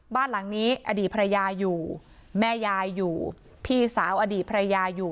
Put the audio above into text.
บ้านหลังนี้อดีตภรรยาอยู่แม่ยายอยู่พี่สาวอดีตภรรยาอยู่